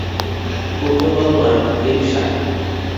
কৌতূহল নয়, লিপ্সা।